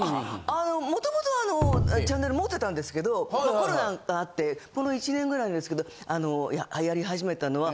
あの元々チャンネル持ってたんですけどコロナがあってこの１年ぐらいですけどあのやり始めたのは。